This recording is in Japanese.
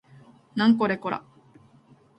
なんこれこら